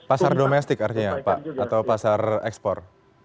pasar domestik artinya pak atau pasar ekspor